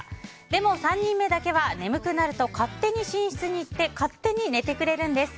でも、３人目だけは眠くなると勝手に寝室に行って勝手に寝てくれるんです。